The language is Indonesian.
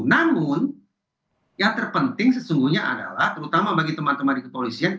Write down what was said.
namun yang terpenting sesungguhnya adalah terutama bagi teman teman di kepolisian